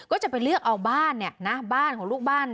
ก็จะไปเลือกเอาบ้านเนี่ยนะบ้านของลูกบ้าน